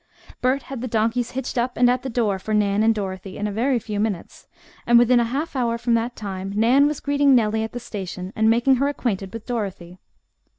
Bert had the donkeys hitched up and at the door for Nan and Dorothy in a very few minutes, and within a half hour from that time Nan was greeting Nellie at the station, and making her acquainted with Dorothy.